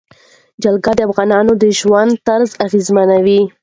جلګه د افغانانو د ژوند طرز اغېزمنوي.